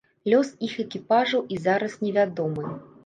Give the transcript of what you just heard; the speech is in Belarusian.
Лёс іх экіпажаў і зараз не вядомы.